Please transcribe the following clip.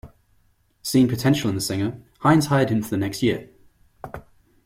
Seeing potential in the singer, Hines hired him for the next year.